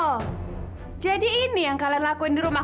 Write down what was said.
oh jadi ini yang kalian lakuin di rumah